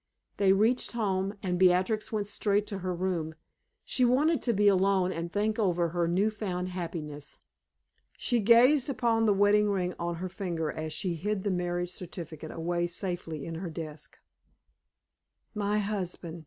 They reached home, and Beatrix went straight to her room. She wanted to be alone and think over her new found happiness. She gazed upon the wedding ring on her finger as she hid the marriage certificate away safely in her desk. "My husband!"